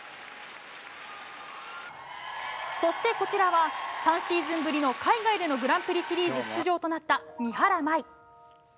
そして、こちらは３シーズンぶりの海外でのグランプリシリーズ出場となった三原舞依。